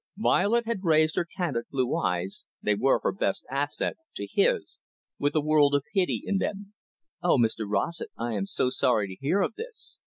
Violet had raised her candid blue eyes they were her best asset to his, with a world of pity in them. "Oh, Mr Rossett, I am so sorry to hear of this.